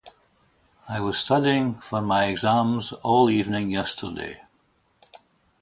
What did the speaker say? I was studying for my exams all evening yesterday.